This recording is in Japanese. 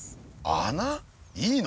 穴？いいの？